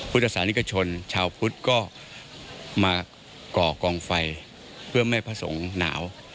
พุทธศาสนิกชนชาวพุทธก็มาก่อกองไฟเพื่อไม่พระสงฆ์หนาว